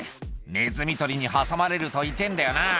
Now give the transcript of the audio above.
「ネズミ捕りに挟まれると痛ぇんだよな」